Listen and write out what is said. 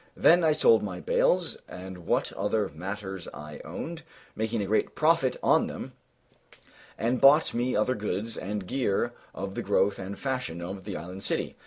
Then I sold my bales and what other matters I owned, making a great profit on them, and bought me other goods and gear of the growth and fashion of the island city.